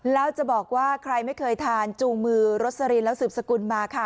แล้วจะบอกว่าใครไม่เคยทานจูงมือรสลินแล้วสืบสกุลมาค่ะ